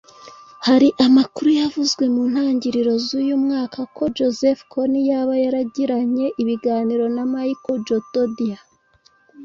Hari amakuru yavuzwe mu ntangiriro z’uyu mwaka ko Joseph Kony yaba yaragiranye ibiganiro na Michel Djotodia